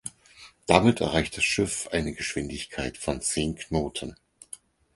Damit erreicht das Schiff eine Geschwindigkeit von zehn Knoten.